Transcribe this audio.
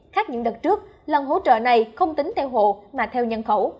khác những đợt trước lần hỗ trợ này không tính theo hộ mà theo nhân khẩu